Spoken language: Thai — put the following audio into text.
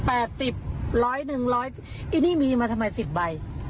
อันนี้มีมาทำไม๑๐ใบ